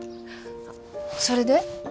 それで？